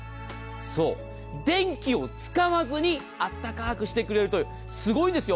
そう、電気を使わずに温かくしてくれるというすごいんですよ